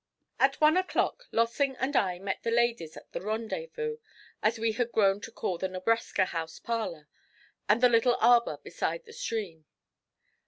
At one o'clock Lossing and I met the ladies at the rendezvous, as we had grown to call the Nebraska House parlour, and the little arbour beside the stream.